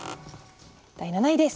第７位です。